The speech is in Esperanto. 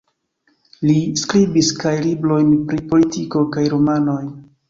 Li skribis kaj librojn pri politiko kaj romanojn.